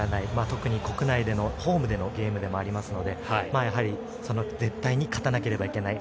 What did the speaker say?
特に国内でのホームでのゲームでもありますので絶対に勝たなければいけない。